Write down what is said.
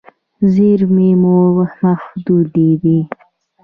زیرمې مو محدودې دي.